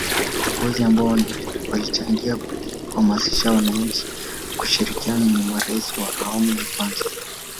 viongozi ambao walichangia kuamasisha wananchi kushirikiana ni marais wa awmu ya kwanza